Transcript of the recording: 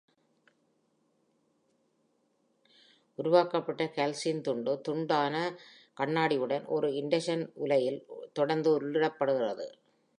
உருவாக்கப்பட்ட 'கால்சின்' துண்டு துண்டான கண்ணாடியுடன் ஒரு இன்டக்ஷன் உலையில் தொடர்ந்து உள்ளிடப்படுகிறது.